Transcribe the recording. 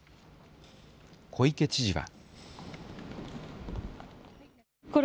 小池知事は。